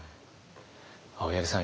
青柳さん